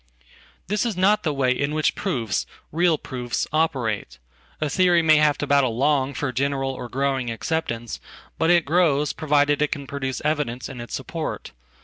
This is not the way in which proofs, real proofs, operate. Atheory may have to battle long for general or growing acceptance, but it grows provided it can produce evidence in its support.